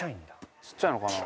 ちっちゃいのかな？